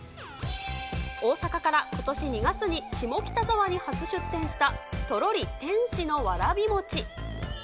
大阪から、ことし２月に下北沢に初出店したとろり天使のわらびもち。